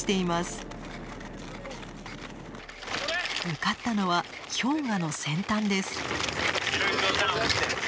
向かったのは氷河の先端です。